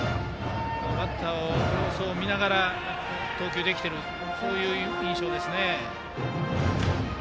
バッターの様子を見ながら投球できているそういう印象ですね。